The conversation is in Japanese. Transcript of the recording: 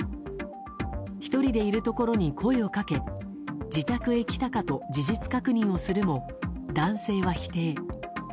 １人でいるところに声をかけ自宅へ来たか？と事実確認をするも、男性は否定。